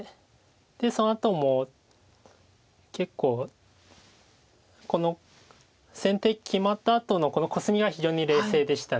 でそのあとも結構この先手決まったあとのこのコスミが非常に冷静でした。